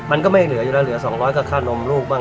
มันก็ไม่เหลืออยู่แล้วเหลือ๒๐๐ก็ค่านมลูกบ้าง